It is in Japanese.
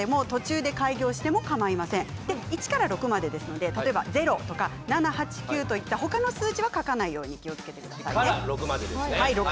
１から６までですので０とか７、８、９とか他の数字は書かないように気をつけてください。